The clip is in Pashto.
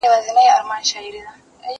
زه پرون ليکنې وکړې.